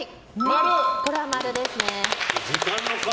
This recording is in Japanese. これは○ですね。